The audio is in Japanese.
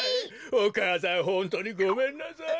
お母さんほんとうにごめんなさい。